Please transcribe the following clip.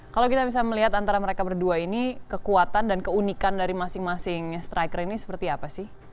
kalau kita bisa melihat antara mereka berdua ini kekuatan dan keunikan dari masing masing striker ini seperti apa sih